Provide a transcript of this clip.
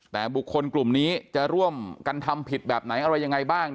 แต่บุคคลกลุ่มนี้จะร่วมกันทำผิดแบบไหนอะไรยังไงบ้าง